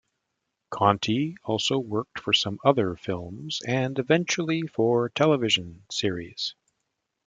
Conti also worked for some other films and, eventually, for television series.